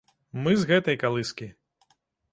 Мы з гэтай калыскі.